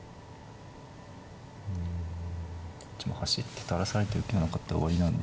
こっちも走って垂らされて受けがなかったら終わりなんで。